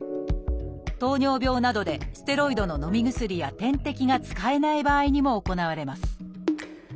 糖尿病などでステロイドののみ薬や点滴が使えない場合にも行われます